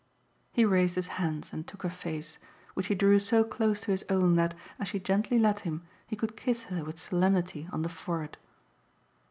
He raised his hands and took her face, which he drew so close to his own that, as she gently let him, he could kiss her with solemnity on the forehead.